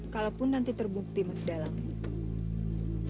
kalaupun nanti terbukti mas dalangnya